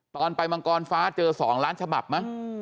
ตอนไปบางกรฟ้าเจอ๒ล้านฉบับนะ